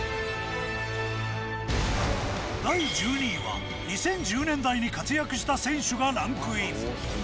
第１２位は２０１０年代に活躍した選手がランクイン。